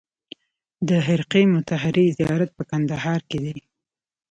د خرقې مطهرې زیارت په کندهار کې دی